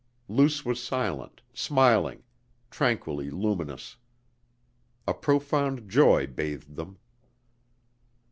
Luce was silent, smiling, tranquilly luminous. A profound joy bathed them.